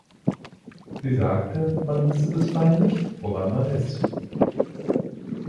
Sie sagte, man wisse bisweilen nicht, woran man ist.